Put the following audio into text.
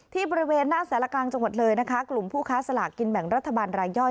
บริเวณหน้าสารกลางจังหวัดเลยนะคะกลุ่มผู้ค้าสลากกินแบ่งรัฐบาลรายย่อย